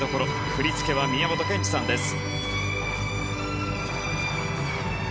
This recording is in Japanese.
振り付けは宮本賢二さんです。